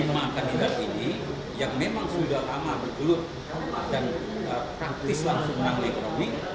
lima kandidat ini yang memang sudah lama bergelut dan praktis langsung menang ekonomi